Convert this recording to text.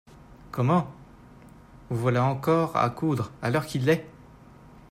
Comment ! vous voilà encore à coudre, à l’heure qu’il est ?